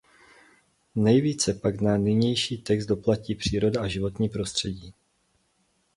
Nejvíce pak na nynější text doplatí příroda a životní prostředí.